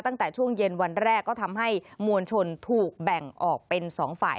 ตั้งแต่ช่วงเย็นวันแรกก็ทำให้มวลชนถูกแบ่งออกเป็น๒ฝ่าย